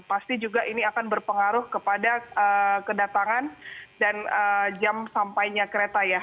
pasti juga ini akan berpengaruh kepada kedatangan dan jam sampainya kereta ya